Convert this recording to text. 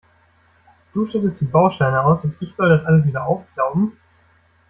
Du schüttest die Bausteine aus, und ich soll das alles wieder aufklauben?